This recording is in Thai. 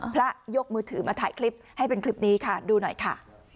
ยกมือถือมาถ่ายคลิปให้เป็นคลิปนี้ค่ะดูหน่อยค่ะ